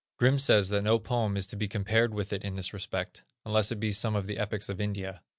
Grimm says that no poem is to be compared with it in this respect, unless it be some of the epics of India.